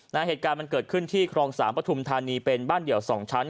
เหตุการณ์มันเกิดขึ้นที่ครองสามปฐุมธานีเป็นบ้านเดี่ยวสองชั้น